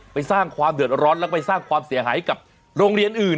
สร้างความเดือดร้อนแล้วไปสร้างความเสียหายกับโรงเรียนอื่น